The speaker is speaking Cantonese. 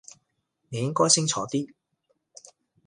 你應該清楚啲